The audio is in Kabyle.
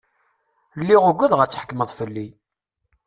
Lliɣ ugadeɣ ad tḥekkmeḍ fell-i!